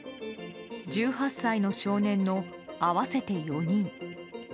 １８歳の少年の合わせて４人。